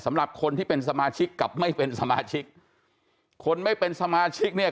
สำหรับคนที่เป็นสมาชิกกับไม่เป็นสมาชิกคนไม่เป็นสมาชิกเนี่ย